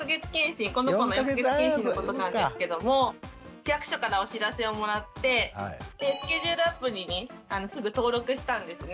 この子の４か月健診のことなんですけども区役所からお知らせをもらってスケジュールアプリにすぐ登録したんですね。